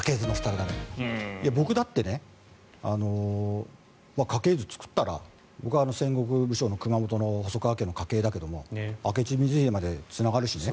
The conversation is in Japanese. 僕だって家系図を作ったら戦国武将の熊本の細川家の家系だけど明智光秀までつながるしね。